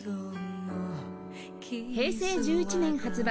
平成１１年発売